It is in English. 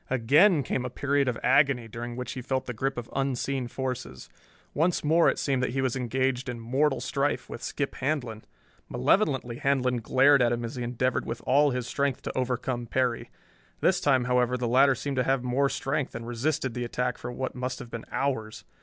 Again came a period of agony during which he felt the grip of unseen forces. Once more it seemed that he was engaged in mortal strife with Skip Handlon. Malevolently Handlon glared at him as he endeavored with all his strength to overcome Perry. This time, however, the latter seemed to have more strength and resisted the attack for what must have been hours.